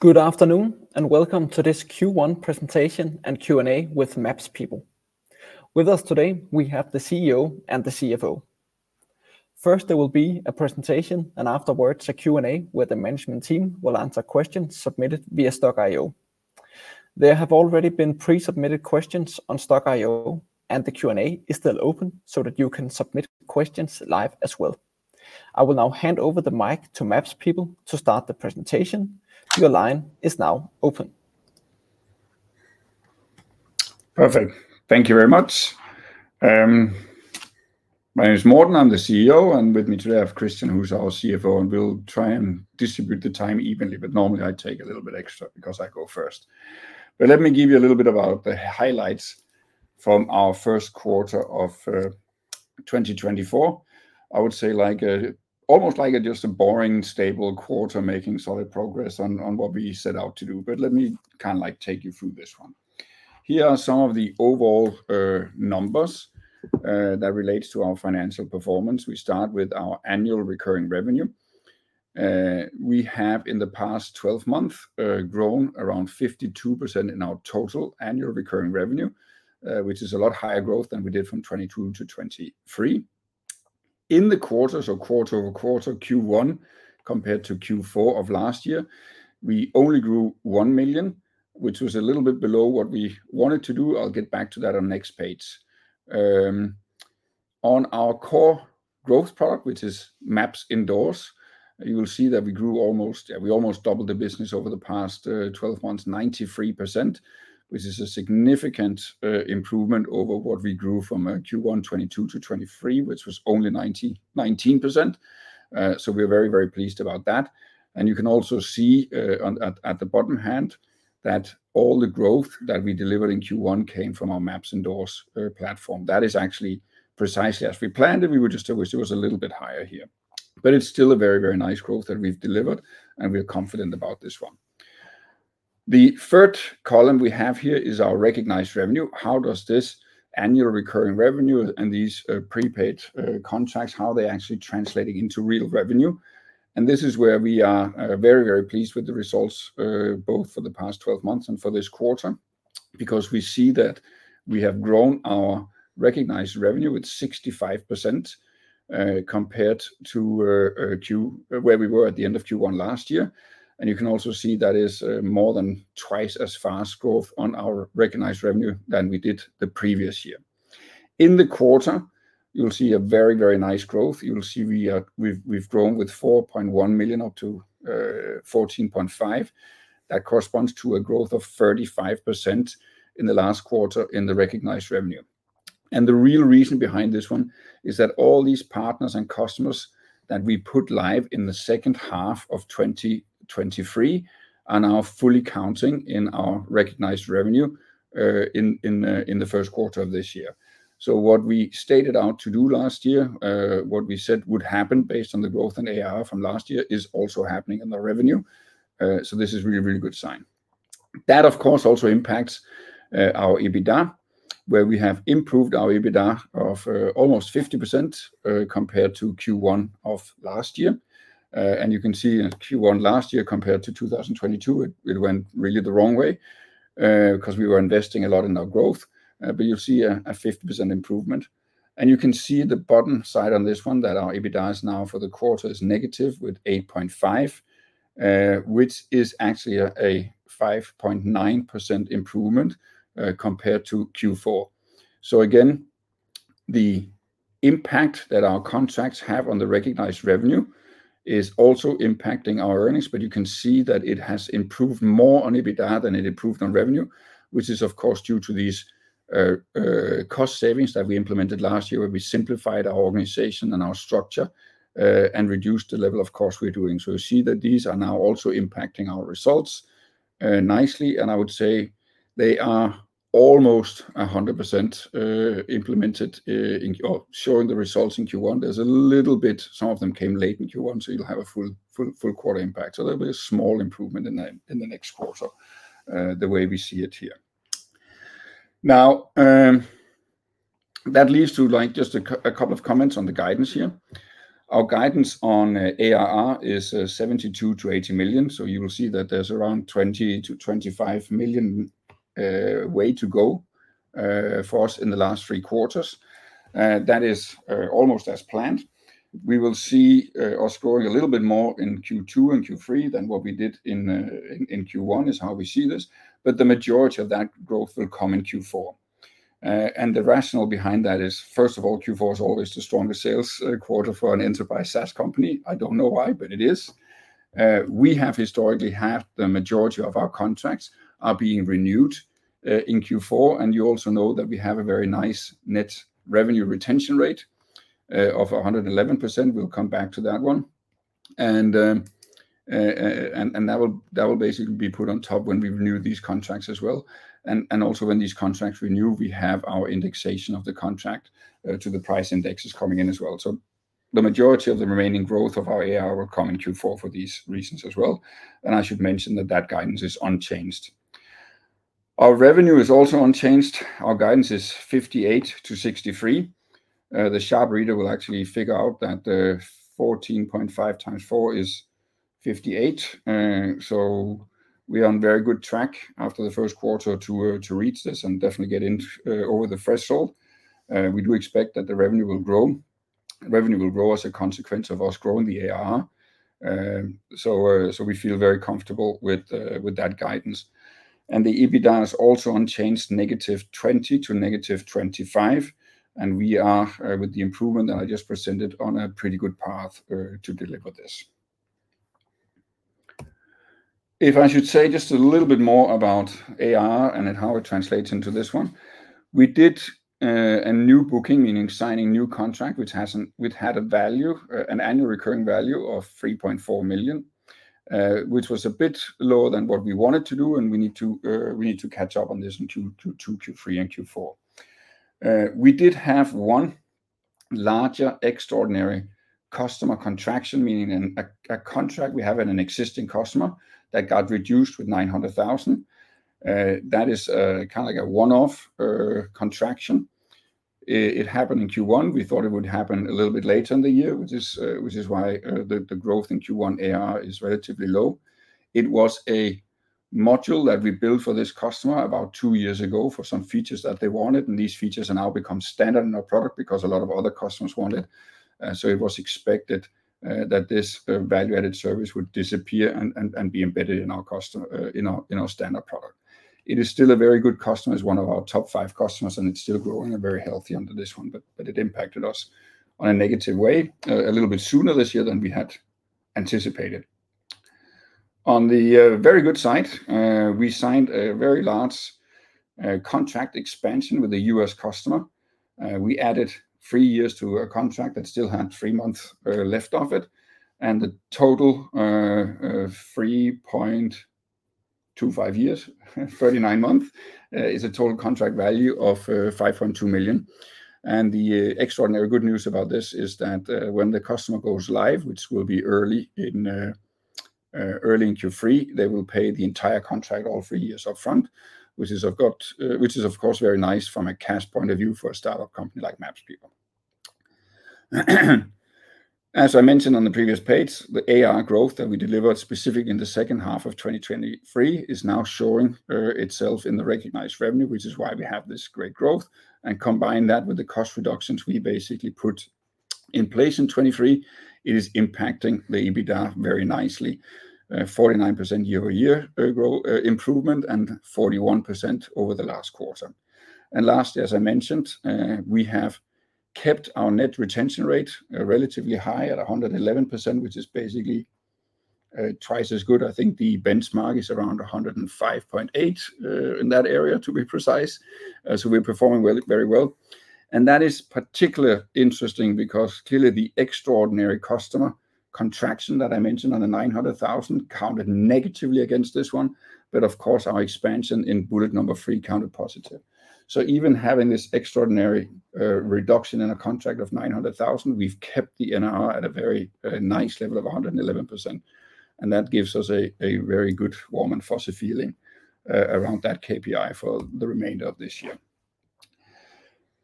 Good afternoon, and welcome to this Q1 presentation and Q&A with MapsPeople. With us today, we have the CEO and the CFO. First, there will be a presentation, and afterward, a Q&A, where the management team will answer questions submitted via Stokk.io. There have already been pre-submitted questions on Stokk.io, and the Q&A is still open, so that you can submit questions live as well. I will now hand over the mic to MapsPeople to start the presentation. Your line is now open. Perfect. Thank you very much. My name is Morten, I'm the CEO, and with me today, I have Christian, who's our CFO, and we'll try and distribute the time evenly, but normally I take a little bit extra because I go first. But let me give you a little bit about the highlights from our first quarter of 2024. I would say like almost just a boring, stable quarter, making solid progress on what we set out to do, but let me kind of, like, take you through this one. Here are some of the overall numbers that relates to our financial performance. We start with our annual recurring revenue. We have, in the past 12 months, grown around 52% in our total annual recurring revenue, which is a lot higher growth than we did from 2022 to 2023. In the quarter, so quarter-over-quarter, Q1 compared to Q4 of last year, we only grew 1 million, which was a little bit below what we wanted to do. I'll get back to that on the next page. On our core growth product, which is MapsIndoors, you will see that we grew almost, we almost doubled the business over the past 12 months, 93%, which is a significant improvement over what we grew from Q1 2022 to 2023, which was only 19%. So we're very, very pleased about that. You can also see, at the bottom hand, that all the growth that we delivered in Q1 came from our MapsIndoors platform. That is actually precisely as we planned it. We would just wish it was a little bit higher here, but it's still a very, very nice growth that we've delivered, and we're confident about this one. The third column we have here is our recognized revenue. How does this annual recurring revenue and these prepaid contracts, how are they actually translating into real revenue? This is where we are very, very pleased with the results both for the past twelve months and for this quarter, because we see that we have grown our recognized revenue with 65%, compared to where we were at the end of Q1 last year. You can also see that is more than twice as fast growth on our recognized revenue than we did the previous year. In the quarter, you'll see a very, very nice growth. You'll see we've grown with 4.1 million, up to 14.5 million. That corresponds to a growth of 35% in the last quarter in the recognized revenue. The real reason behind this one is that all these partners and customers that we put live in the second half of 2023 are now fully counting in our recognized revenue in the Q1 of this year. What we set out to do last year, what we said would happen based on the growth in ARR from last year, is also happening in the revenue. So this is a really, really good sign. That, of course, also impacts our EBITDA, where we have improved our EBITDA of almost 50%, compared to Q1 of last year. And you can see in Q1 last year, compared to 2022, it went really the wrong way, because we were investing a lot in our growth, but you'll see a 50% improvement. And you can see the bottom side on this one, that our EBITDA is now for the quarter, is negative with 8.5 million, which is actually a 5.9% improvement, compared to Q4. So again, the impact that our contracts have on the recognized revenue is also impacting our earnings, but you can see that it has improved more on EBITDA than it improved on revenue, which is, of course, due to these cost savings that we implemented last year, where we simplified our organization and our structure, and reduced the level of cost we're doing. So you see that these are now also impacting our results nicely, and I would say they are almost 100%, implemented or showing the results in Q1. There's a little bit, some of them came late in Q1, so you'll have a full quarter impact. So there'll be a small improvement in the next quarter, the way we see it here. Now, that leads to, like, just a couple of comments on the guidance here. Our guidance on ARR is 72 million-80 million, so you will see that there's around 20 million-25 million way to go for us in the last three quarters. That is almost as planned. We will see us growing a little bit more in Q2 and Q3 than what we did in Q1, is how we see this, but the majority of that growth will come in Q4. And the rationale behind that is, first of all, Q4 is always the strongest sales quarter for an enterprise SaaS company. I don't know why, but it is. We have historically had the majority of our contracts are being renewed in Q4, and you also know that we have a very nice net revenue retention rate of 111%. We'll come back to that one. That will basically be put on top when we renew these contracts as well. Also, when these contracts renew, we have our indexation of the contract to the price indexes coming in as well. So the majority of the remaining growth of our ARR will come in Q4 for these reasons as well, and I should mention that that guidance is unchanged. Our revenue is also unchanged. Our guidance is 58 million-63 million. The sharp reader will actually figure out that 14.5 times 4 is 58. So we are on very good track after the Q1 to reach this and definitely get in over the threshold. We do expect that the revenue will grow. Revenue will grow as a consequence of us growing the ARR. So we feel very comfortable with that guidance. And the EBITDA is also unchanged, -20 million to -25 million, and we are with the improvement that I just presented, on a pretty good path to deliver this. If I should say just a little bit more about AR and then how it translates into this one, we did a new booking, meaning signing a new contract, which had a value, an annual recurring value of 3.4 million, which was a bit lower than what we wanted to do, and we need to catch up on this in Q2, Q3 and Q4. We did have one larger extraordinary customer contraction, meaning a contract we have in an existing customer that got reduced with 900,000. That is kind of like a one-off contraction. It happened in Q1. We thought it would happen a little bit later in the year, which is why the growth in Q1 AR is relatively low. It was a module that we built for this customer about two years ago for some features that they wanted, and these features are now become standard in our product because a lot of other customers want it. So it was expected that this value-added service would disappear and, and, and be embedded in our customer, in our, in our standard product. It is still a very good customer. It's one of our top five customers, and it's still growing and very healthy under this one, but, but it impacted us on a negative way a little bit sooner this year than we had anticipated. On the very good side, we signed a very large contract expansion with a U.S. customer. We added 3 years to a contract that still had 3 months left of it, and the total 3.25 years, 39 months, is a total contract value of 5.2 million. The extraordinary good news about this is that when the customer goes live, which will be early in Q3, they will pay the entire contract, all 3 years, upfront, which is of course very nice from a cash point of view for a startup company like MapsPeople. As I mentioned on the previous page, the ARR growth that we delivered specifically in the second half of 2023 is now showing itself in the recognized revenue, which is why we have this great growth. Combine that with the cost reductions we basically put in place in 2023, it is impacting the EBITDA very nicely. 49% year-over-year growth improvement, and 41% over the last quarter. And lastly, as I mentioned, we have kept our net retention rate relatively high at 111%, which is basically twice as good. I think the benchmark is around 105.8 in that area, to be precise. So we're performing well, very well. And that is particularly interesting because clearly, the extraordinary customer contraction that I mentioned on the 900,000 counted negatively against this one. But of course, our expansion in bullet number three counted positive. So even having this extraordinary, reduction in a contract of 900,000, we've kept the NRR at a very, nice level of 111%, and that gives us a, a very good warm and fuzzy feeling, around that KPI for the remainder of this year.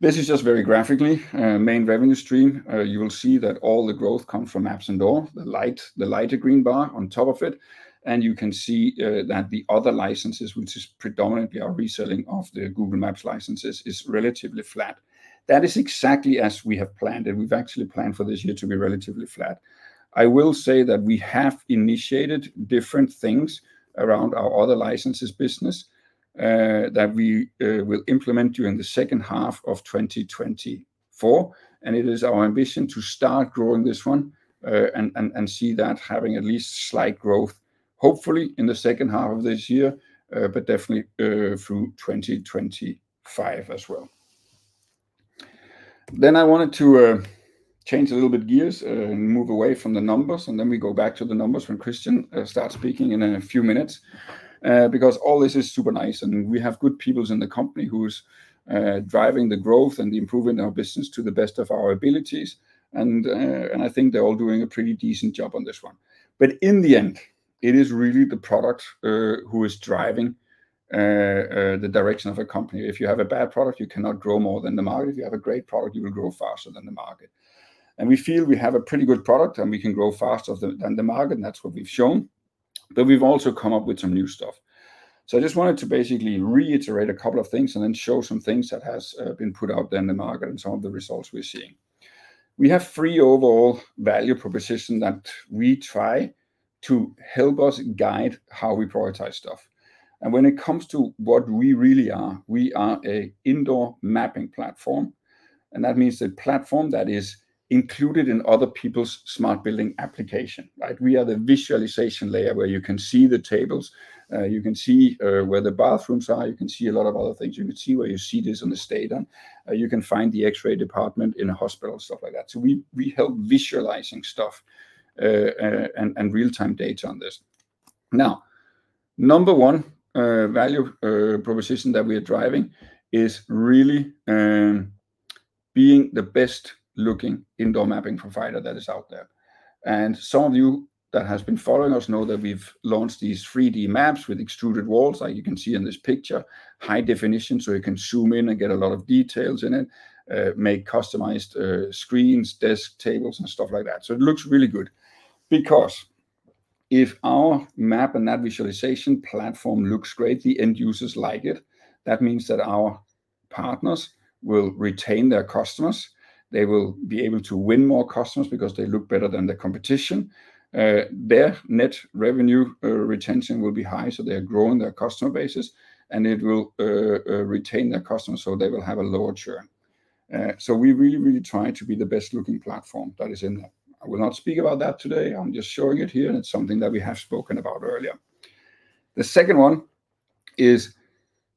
This is just very graphically, main revenue stream. You will see that all the growth come from MapsIndoors, the light, the lighter green bar on top of it. And you can see, that the other licenses, which is predominantly our reselling of the Google Maps licenses, is relatively flat. That is exactly as we have planned, and we've actually planned for this year to be relatively flat. I will say that we have initiated different things around our other licenses business, that we will implement during the second half of 2024, and it is our ambition to start growing this one, and, and, and see that having at least slight growth, hopefully in the second half of this year, but definitely through 2025 as well. Then I wanted to change a little bit gears, and move away from the numbers, and then we go back to the numbers when Christian starts speaking in a few minutes. Because all this is super nice, and we have good people in the company who's driving the growth and improving our business to the best of our abilities, and I think they're all doing a pretty decent job on this one. But in the end, it is really the product who is driving the direction of a company. If you have a bad product, you cannot grow more than the market. If you have a great product, you will grow faster than the market. We feel we have a pretty good product, and we can grow faster than the market, and that's what we've shown. We've also come up with some new stuff. I just wanted to basically reiterate a couple of things and then show some things that has been put out there in the market and some of the results we're seeing. We have three overall value proposition that we try to help us guide how we prioritize stuff. And when it comes to what we really are, we are an indoor mapping platform, and that means a platform that is included in other people's smart building application, right? We are the visualization layer where you can see the tables, you can see where the bathrooms are, you can see a lot of other things. You can see where you see this on the stadium. You can find the X-ray department in a hospital, stuff like that. So we help visualizing stuff, and real-time data on this. Now, number one value proposition that we are driving is really being the best looking indoor mapping provider that is out there. And some of you that has been following us know that we've launched these 3D maps with extruded walls, like you can see in this picture. High definition, so you can zoom in and get a lot of details in it, make customized screens, desks, tables, and stuff like that. So it looks really good. Because if our map and that visualization platform looks great, the end users like it, that means that our partners will retain their customers. They will be able to win more customers because they look better than the competition. Their net revenue retention will be high, so they are growing their customer bases, and it will retain their customers, so they will have a lower churn. So we really, really try to be the best looking platform that is in there. I will not speak about that today. I'm just showing it here, and it's something that we have spoken about earlier. The second one is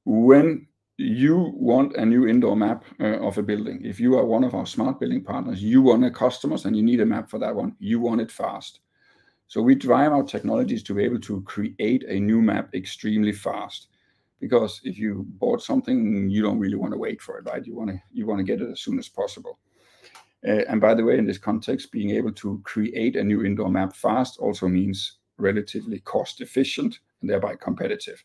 when you want a new indoor map, of a building, if you are one of our smart building partners, you want your customers, and you need a map for that one. You want it fast. So we drive our technologies to be able to create a new map extremely fast, because if you bought something, you don't really want to wait for it, right? You wanna, you wanna get it as soon as possible. And by the way, in this context, being able to create a new indoor map fast also means relatively cost efficient and thereby competitive.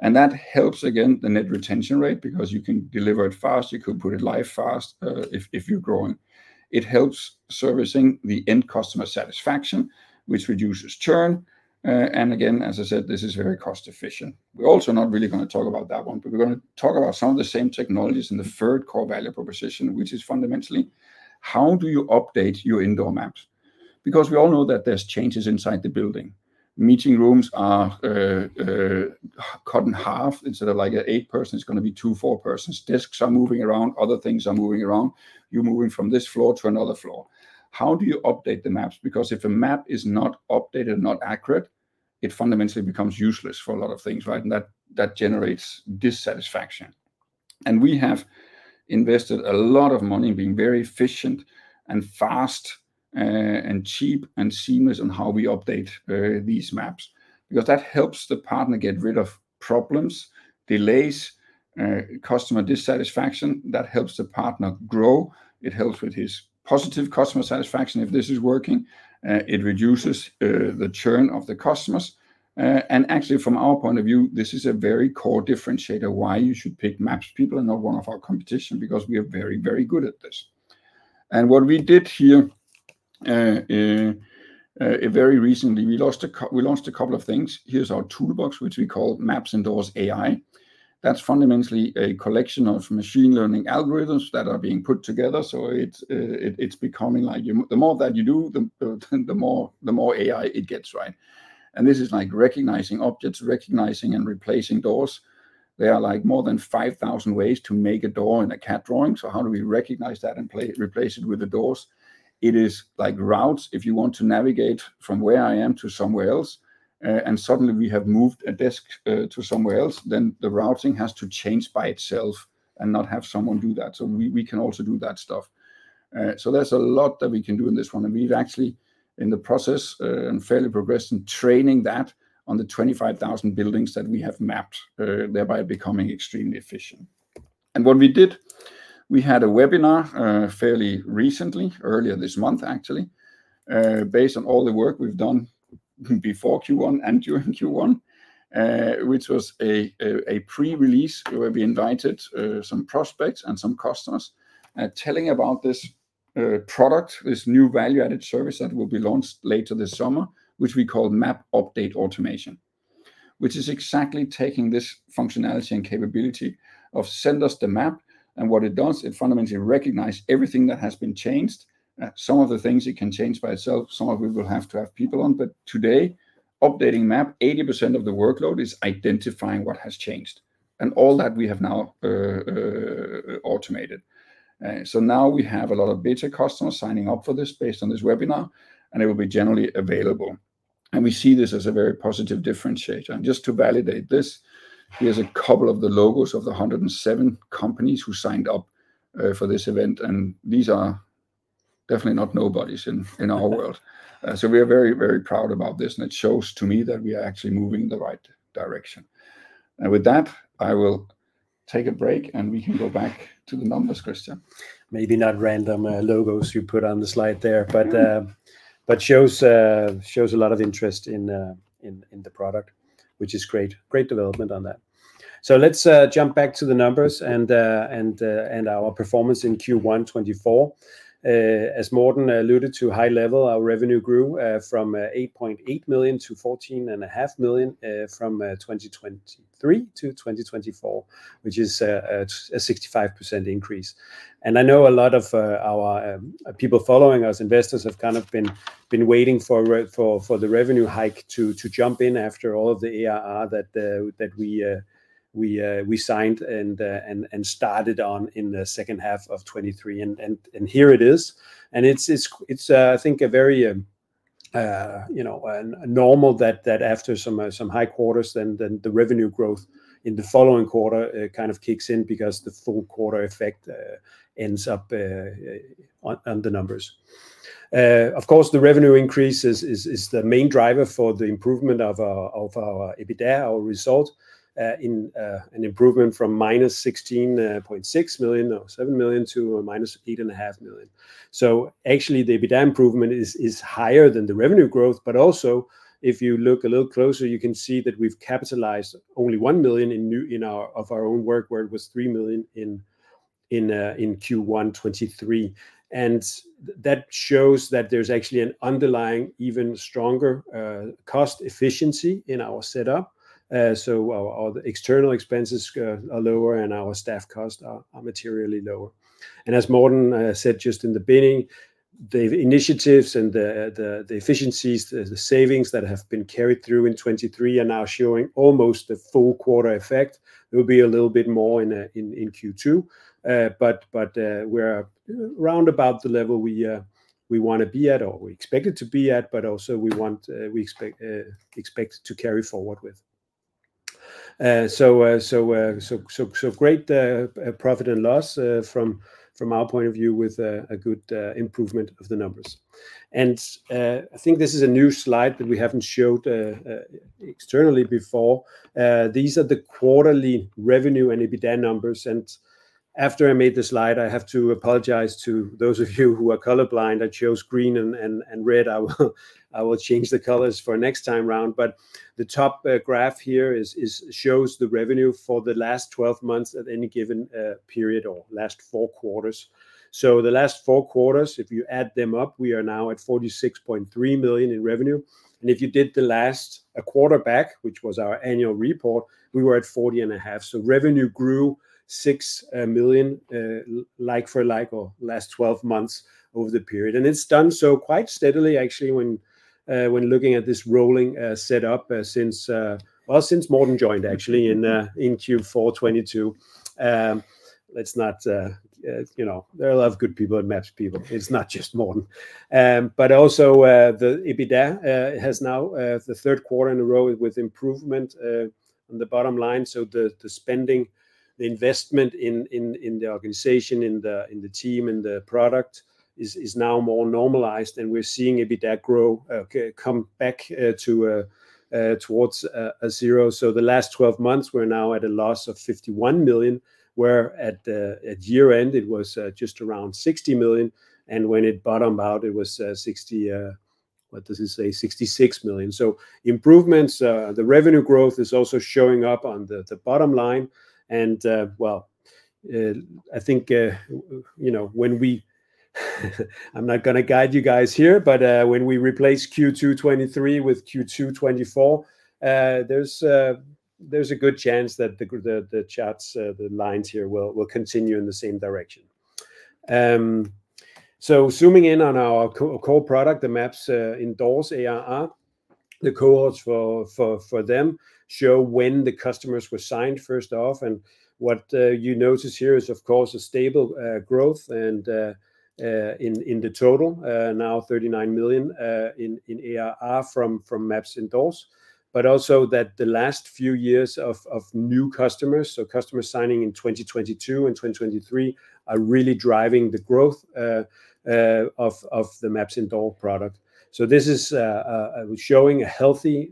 And that helps, again, the net retention rate, because you can deliver it fast, you could put it live fast, if you're growing. It helps servicing the end customer satisfaction, which reduces churn. And again, as I said, this is very cost efficient. We're also not really gonna talk about that one, but we're gonna talk about some of the same technologies in the third core value proposition, which is fundamentally, how do you update your indoor maps? Because we all know that there's changes inside the building. Meeting rooms are cut in half. Instead of, like, an eight person, it's gonna be two, four persons. Desks are moving around, other things are moving around. You're moving from this floor to another floor. How do you update the maps? Because if a map is not updated, not accurate, it fundamentally becomes useless for a lot of things, right? And that, that generates dissatisfaction. And we have invested a lot of money in being very efficient and fast, and cheap and seamless on how we update these maps, because that helps the partner get rid of problems, delays, customer dissatisfaction. That helps the partner grow, it helps with his positive customer satisfaction if this is working, it reduces the churn of the customers. And actually, from our point of view, this is a very core differentiator, why you should pick MapsPeople and not one of our competition, because we are very, very good at this. And what we did here, very recently, we launched a couple of things. Here's our toolbox, which we call MapsIndoors AI. That's fundamentally a collection of machine learning algorithms that are being put together. So it's becoming like you... The more that you do, the more AI it gets, right? And this is like recognizing objects, recognizing and replacing doors. There are, like, more than 5,000 ways to make a door in a CAD drawing. So how do we recognize that and replace it with the doors? It is like routes. If you want to navigate from where I am to somewhere else, and suddenly we have moved a desk to somewhere else, then the routing has to change by itself and not have someone do that. So we can also do that stuff. So there's a lot that we can do in this one, and we've actually in the process and fairly progressed in training that on the 25,000 buildings that we have mapped, thereby becoming extremely efficient. What we did, we had a webinar fairly recently, earlier this month, actually, based on all the work we've done before Q1 and during Q1, which was a pre-release, where we invited some prospects and some customers, telling about this product, this new value-added service that will be launched later this summer, which we call Map Update Automation. Which is exactly taking this functionality and capability of, "Send us the map," and what it does, it fundamentally recognizes everything that has been changed. Some of the things it can change by itself, some of it will have to have people on. But today, updating map, 80% of the workload is identifying what has changed, and all that we have now automated. So now we have a lot of beta customers signing up for this based on this webinar, and it will be generally available. We see this as a very positive differentiator. Just to validate this, here's a couple of the logos of the 107 companies who signed up for this event, and these are definitely not nobodies in our world. So we are very, very proud about this, and it shows to me that we are actually moving in the right direction. With that, I will take a break, and we can go back to the numbers, Christian. Maybe not random logos you put on the slide there, but shows a lot of interest in the product, which is great. Great development on that. Let's jump back to the numbers and our performance in Q1 2024. As Morten alluded to, high level, our revenue grew from 8.8 million-14.5 million from 2023 to 2024, which is a 65% increase. I know a lot of our people following us, investors, have kind of been waiting for the revenue hike to jump in after all of the ARR that we signed and started on in the second half of 2023. Here it is. It's I think a very you know a normal that after some high quarters the revenue growth in the following quarter kind of kicks in because the full quarter effect ends up on the numbers. Of course, the revenue increase is the main driver for the improvement of our EBITDA, our result in an improvement from -16.6 million or 7 million to -8.5 million. So actually, the EBITDA improvement is higher than the revenue growth. But also, if you look a little closer, you can see that we've capitalized only 1 million of our own work, where it was 3 million in Q1 2023. That shows that there's actually an underlying, even stronger, cost efficiency in our setup. So our external expenses are lower, and our staff costs are materially lower. And as Morten said just in the beginning, the initiatives and the efficiencies, the savings that have been carried through in 2023 are now showing almost a full quarter effect. There will be a little bit more in Q2. But we're round about the level we wanna be at or we expected to be at, but also we want we expect to carry forward with. So great profit and loss from our point of view with a good improvement of the numbers. I think this is a new slide that we haven't showed externally before. These are the quarterly revenue and EBITDA numbers, and after I made the slide, I have to apologize to those of you who are color blind. I chose green and red. I will change the colors for next time round. But the top graph here shows the revenue for the last 12 months at any given period or last four quarters. So the last four quarters, if you add them up, we are now at 46.3 million in revenue, and if you did the last a quarter back, which was our annual report, we were at 40.5. So revenue grew 6 million, like for like or last 12 months over the period, and it's done so quite steadily, actually, when looking at this rolling setup, since, well, since Morten joined, actually, in Q4 2022. Let's not. You know, there are a lot of good people at MapsPeople. It's not just Morten. But also, the EBITDA has now, the Q3 in a row with improvement on the bottom line. So the spending, the investment in the organization, in the team, in the product is now more normalized, and we're seeing EBITDA grow, come back towards a zero. So the last 12 months, we're now at a loss of 51 million, where at the, at year-end, it was just around 60 million, and when it bottomed out, it was, sixty, what does it say? 66 million. So improvements, the revenue growth is also showing up on the, the bottom line. And, well, I think, you know, when we I'm not gonna guide you guys here, but, when we replace Q2 2023 with Q2 2024, there's, there's a good chance that the the charts, the lines here will, will continue in the same direction. So zooming in on our core product, the MapsIndoors ARR, the cohorts for, for, for them show when the customers were signed first off. What you notice here is, of course, a stable growth and in the total now 39 million in ARR from MapsIndoors, but also that the last few years of new customers, so customers signing in 2022 and 2023, are really driving the growth of the MapsIndoors product. This is showing a healthy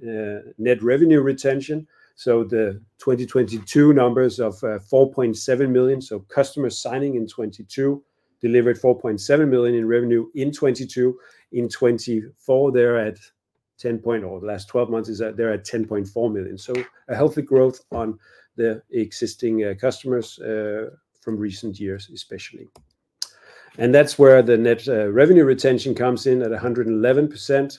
net revenue retention. The 2022 numbers of 4.7 million, so customers signing in 2022 delivered 4.7 million in revenue in 2022. In 2024, they're at 10.4 million. Or the last twelve months is that they're at 10.4 million. A healthy growth on the existing customers from recent years especially. And that's where the net revenue retention comes in at 111%.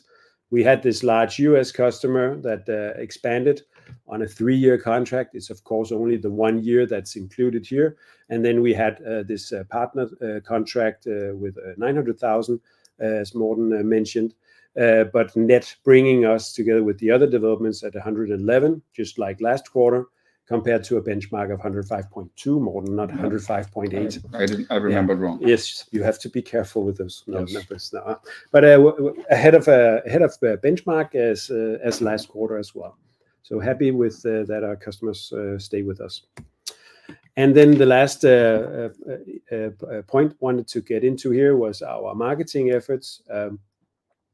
We had this large U.S. customer that expanded on a 3-year contract. It's, of course, only the 1 year that's included here. And then we had this partner contract with 900,000, as Morten mentioned. But net bringing us together with the other developments at 111, just like last quarter, compared to a benchmark of 105.2, Morten, not 105.8. I remembered wrong. Yes, you have to be careful with those- Yes... numbers now. But ahead of the benchmark as last quarter as well. So happy with that our customers stay with us. And then the last point I wanted to get into here was our marketing efforts.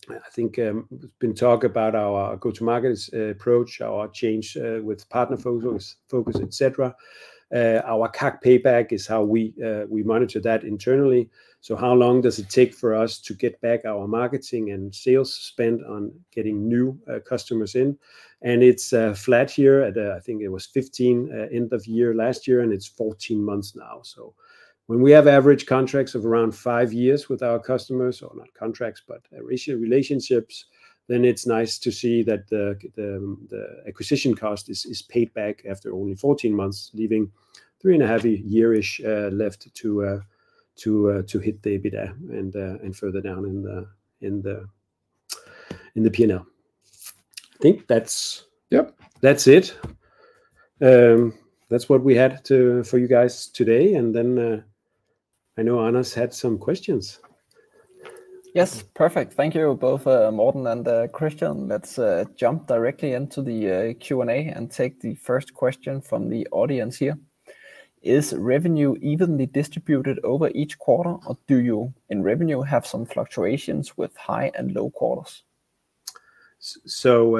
I think there's been talk about our go-to-market approach, our change with partner focus, et cetera. Our CAC payback is how we monitor that internally. So how long does it take for us to get back our marketing and sales spend on getting new customers in? And it's flat here at, I think it was 15 end of year last year, and it's 14 months now. When we have average contracts of around five years with our customers, or not contracts, but rather relationships, then it's nice to see that the acquisition cost is paid back after only 14 months, leaving three and a half year-ish left to hit the EBITDA and further down in the P&L. I think that's- Yep. That's it. That's what we had for you guys today, and then, I know Anders had some questions. Yes, perfect. Thank you both, Morten and Christian. Let's jump directly into the Q&A and take the first question from the audience here: "Is revenue evenly distributed over each quarter, or do you, in revenue, have some fluctuations with high and low quarters?... So,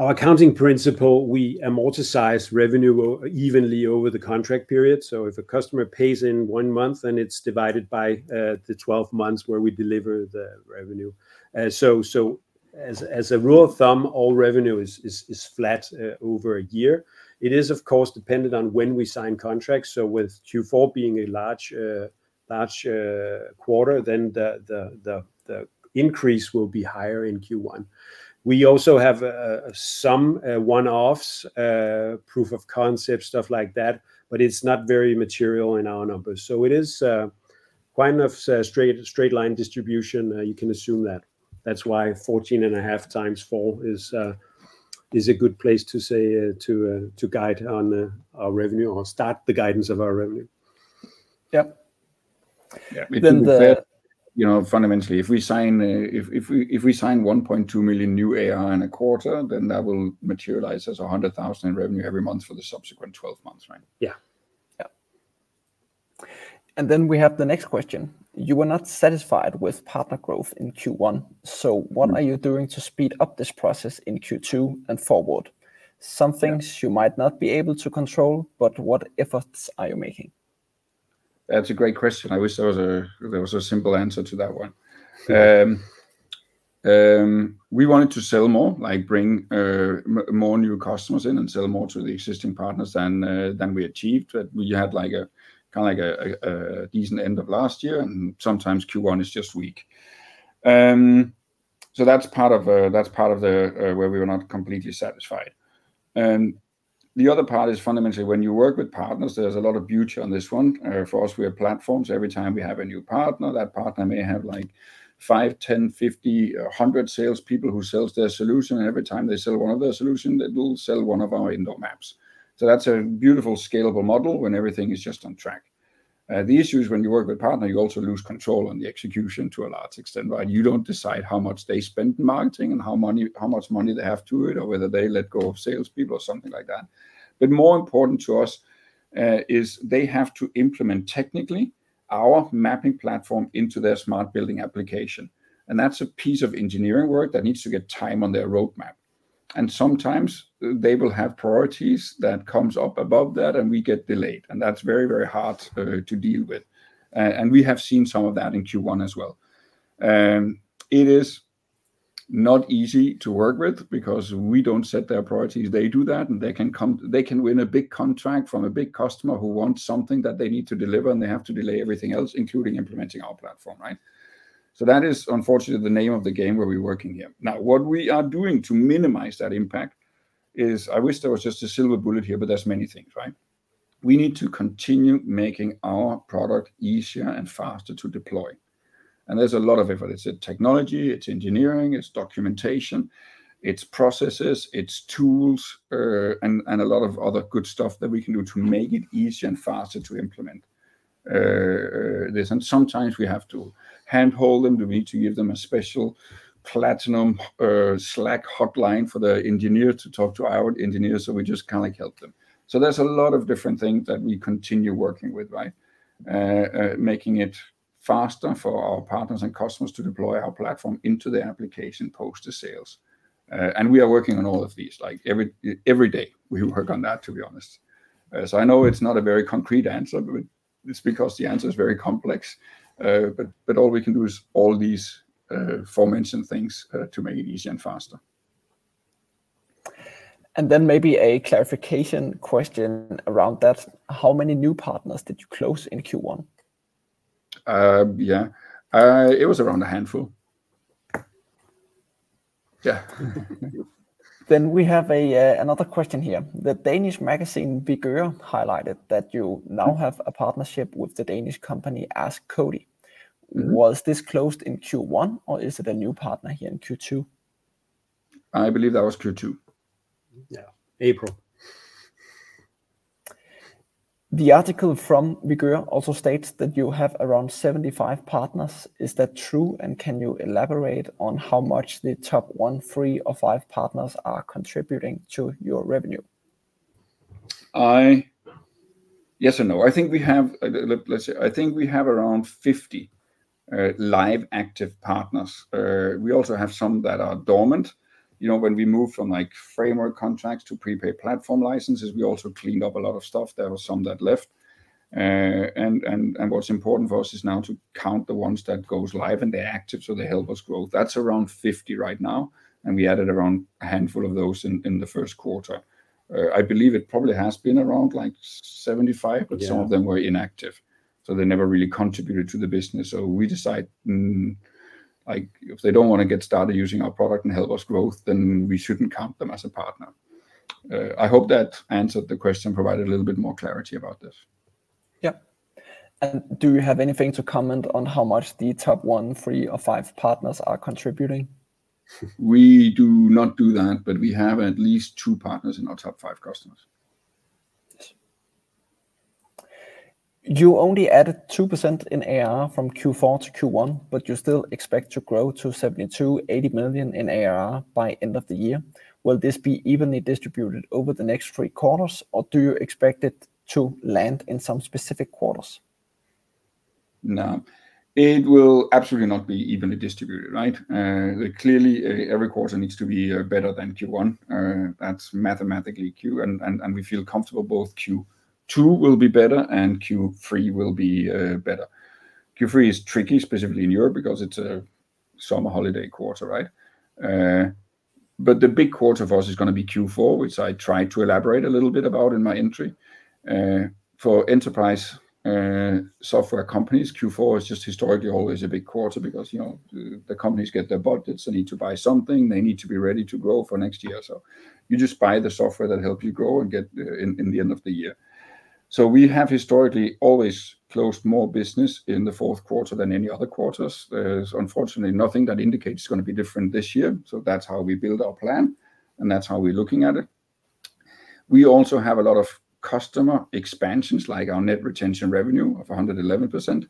our accounting principle, we amortize revenue evenly over the contract period. So if a customer pays in one month, then it's divided by the 12 months where we deliver the revenue. So, as a rule of thumb, all revenue is flat over a year. It is, of course, dependent on when we sign contracts. So with Q4 being a large quarter, then the increase will be higher in Q1. We also have some one-offs, proof of concept, stuff like that, but it's not very material in our numbers. So it is quite enough straight line distribution you can assume that. That's why 14.5 times 4 is a good place to say to guide on our revenue or start the guidance of our revenue. Yep. Yeah. Then the- You know, fundamentally, if we sign 1.2 million new ARR in a quarter, then that will materialize as 100,000 in revenue every month for the subsequent 12 months, right? Yeah. Yep. And then we have the next question: You were not satisfied with partner growth in Q1, so what are you doing to speed up this process in Q2 and forward? Yeah. Some things you might not be able to control, but what efforts are you making? That's a great question. I wish there was a simple answer to that one. We wanted to sell more, like bring more new customers in and sell more to the existing partners than we achieved. But we had kinda a decent end of last year, and sometimes Q1 is just weak. So that's part of that's part of the where we were not completely satisfied. And the other part is fundamentally when you work with partners, there's a lot of beauty on this one. For us, we are platforms. Every time we have a new partner, that partner may have like 5, 10, 50, 100 salespeople who sells their solution, and every time they sell one of their solution, they will sell one of our indoor maps. So that's a beautiful, scalable model when everything is just on track. The issue is when you work with partner, you also lose control on the execution to a large extent, right? You don't decide how much they spend in marketing and how much money they have to it, or whether they let go of salespeople or something like that. But more important to us is they have to implement technically our mapping platform into their smart building application, and that's a piece of engineering work that needs to get time on their roadmap. And sometimes they will have priorities that comes up above that, and we get delayed, and that's very, very hard to deal with. And we have seen some of that in Q1 as well. It is not easy to work with because we don't set their priorities, they do that, and they can win a big contract from a big customer who wants something that they need to deliver, and they have to delay everything else, including implementing our platform, right? So that is unfortunately the name of the game where we're working here. Now, what we are doing to minimize that impact is... I wish there was just a silver bullet here, but there's many things, right? We need to continue making our product easier and faster to deploy, and there's a lot of effort. It's technology, it's engineering, it's documentation, it's processes, it's tools, and a lot of other good stuff that we can do to make it easier and faster to implement. There's... Sometimes we have to handhold them. We need to give them a special platinum Slack hotline for the engineer to talk to our engineers, so we just kinda help them. There's a lot of different things that we continue working with, right? Making it faster for our partners and customers to deploy our platform into the application post the sales. And we are working on all of these, like every day we work on that, to be honest. So I know it's not a very concrete answer, but it's because the answer is very complex. But all we can do is all these aforementioned things to make it easier and faster. And then maybe a clarification question around that: How many new partners did you close in Q1? Yeah, it was around a handful. Yeah. Then we have another question here. The Danish magazine, Vigeur, highlighted that you now have a partnership with the Danish company, AskCody. Mm-hmm. Was this closed in Q1, or is it a new partner here in Q2? I believe that was Q2. Yeah, April. The article from Vigeur also states that you have around 75 partners. Is that true, and can you elaborate on how much the top one, three, or five partners are contributing to your revenue? Yes or no? I think we have, let's say, I think we have around 50, live, active partners. We also have some that are dormant. You know, when we moved from, like, framework contracts to prepay platform licenses, we also cleaned up a lot of stuff. There were some that left. And what's important for us is now to count the ones that goes live, and they're active, so they help us grow. That's around 50 right now, and we added around a handful of those in the Q1. I believe it probably has been around, like, 75- Yeah... but some of them were inactive, so they never really contributed to the business. So we decide, like, if they don't want to get started using our product and help us growth, then we shouldn't count them as a partner. I hope that answered the question, provided a little bit more clarity about this. Yep. And do you have anything to comment on how much the top one, three, or five partners are contributing? We do not do that, but we have at least two partners in our top five customers. Yes. You only added 2% in ARR from Q4 to Q1, but you still expect to grow to 70 million-80 million in ARR by end of the year. Will this be evenly distributed over the next three quarters, or do you expect it to land in some specific quarters?... No, it will absolutely not be evenly distributed, right? Clearly, every quarter needs to be better than Q1. That's mathematically Q, and, and, and we feel comfortable both Q2 will be better and Q3 will be better. Q3 is tricky, specifically in Europe, because it's a summer holiday quarter, right? But the big quarter for us is gonna be Q4, which I tried to elaborate a little bit about in my entry. For enterprise software companies, Q4 is just historically always a big quarter because, you know, the companies get their budgets, they need to buy something, they need to be ready to grow for next year. So you just buy the software that help you grow and get in the end of the year. So we have historically always closed more business in the Q4 than any other quarters. There's unfortunately nothing that indicates it's gonna be different this year, so that's how we build our plan, and that's how we're looking at it. We also have a lot of customer expansions, like our net retention revenue of 111%.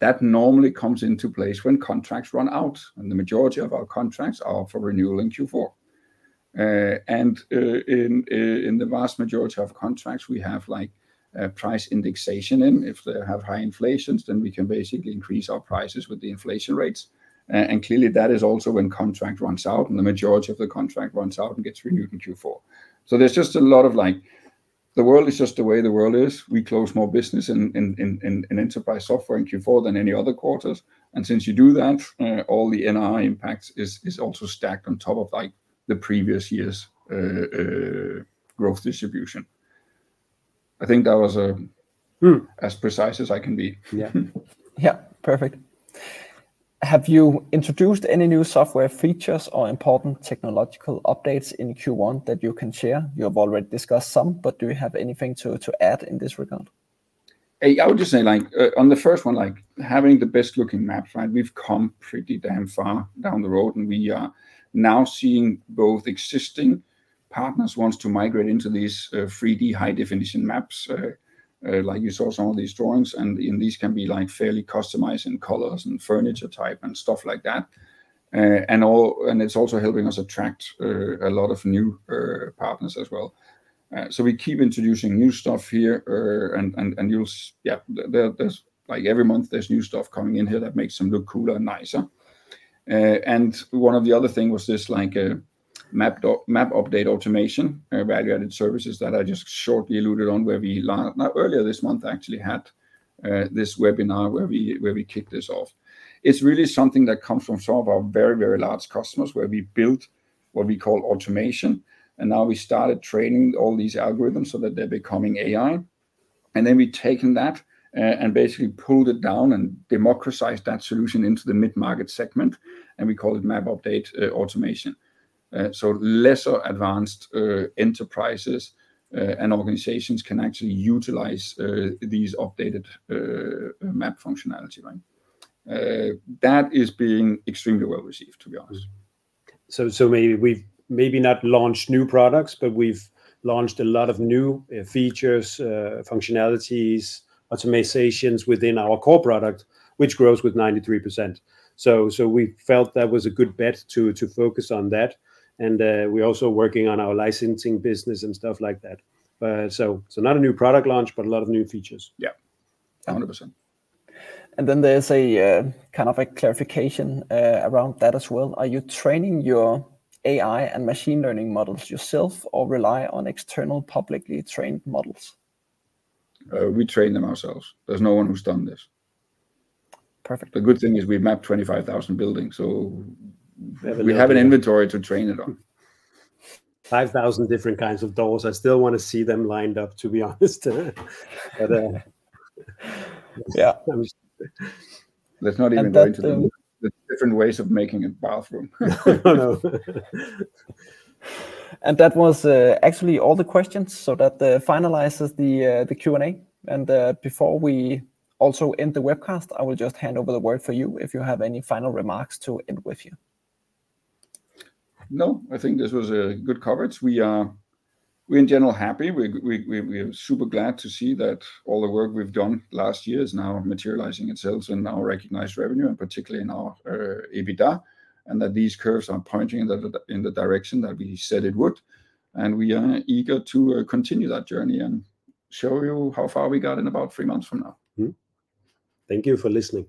That normally comes into place when contracts run out, and the majority of our contracts are for renewal in Q4. In the vast majority of contracts, we have, like, a price indexation in. If they have high inflations, then we can basically increase our prices with the inflation rates. Clearly, that is also when contract runs out, and the majority of the contract runs out and gets renewed in Q4. So there's just a lot of like... The world is just the way the world is. We close more business in enterprise software in Q4 than any other quarters. And since you do that, all the NRR impacts is also stacked on top of, like, the previous year's growth distribution. I think that was as precise as I can be. Yeah. Yeah, perfect. Have you introduced any new software features or important technological updates in Q1 that you can share? You have already discussed some, but do you have anything to, to add in this regard? Hey, I would just say, like, on the first one, like, having the best-looking maps, right? We've come pretty damn far down the road, and we are now seeing both existing partners wants to migrate into these 3D high-definition maps. Like you saw some of these drawings, and these can be, like, fairly customized in colors and furniture type and stuff like that. And it's also helping us attract a lot of new partners as well. So we keep introducing new stuff here, and you'll... Yeah, there's, like, every month, there's new stuff coming in here that makes them look cooler and nicer. And one of the other thing was this, like, a Map Update Automation, value-added services that I just shortly alluded on, where we now, earlier this month, actually had this webinar where we kicked this off. It's really something that comes from some of our very, very large customers, where we built what we call automation, and now we started training all these algorithms so that they're becoming AI. And then we've taken that, and basically pulled it down and democratized that solution into the mid-market segment, and we call it Map Update Automation. So lesser advanced enterprises and organizations can actually utilize these updated map functionality, right? That is being extremely well received, to be honest. So, maybe we've not launched new products, but we've launched a lot of new features, functionalities, automations within our core product, which grows with 93%. So, we felt that was a good bet to focus on that, and we're also working on our licensing business and stuff like that. So, not a new product launch, but a lot of new features. Yeah, 100%. Then there's a kind of a clarification around that as well. Are you training your AI and machine learning models yourself or rely on external, publicly trained models? We train them ourselves. There's no one who's done this. Perfect. The good thing is we've mapped 25,000 buildings, so- We have a lot. We have an inventory to train it on. 5,000 different kinds of doors. I still want to see them lined up, to be honest. But... Yeah. That was- Let's not even go into the different ways of making a bathroom. Oh, no. That was actually all the questions, so that finalizes the Q&A. Before we also end the webcast, I will just hand over the word for you, if you have any final remarks to end with here. No, I think this was a good coverage. We're in general, happy. We're super glad to see that all the work we've done last year is now materializing itself in our recognized revenue, and particularly in our EBITDA, and that these curves are pointing in the direction that we said it would. And we are eager to continue that journey and show you how far we got in about three months from now. Mm-hmm. Thank you for listening.